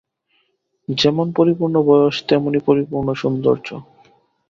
যেমন পরিপূর্ণ বয়স, তেমনি পরিপূর্ণ সৌন্দর্য।